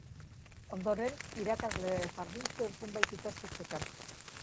Ondoren, irakasle jardun zuen zenbait ikastetxetan.